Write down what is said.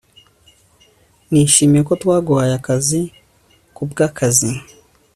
nishimiye ko twaguhaye akazi kubwakazi